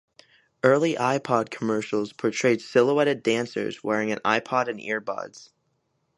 Early iPod commercials portrayed silhouetted dancers wearing an iPod and earbuds.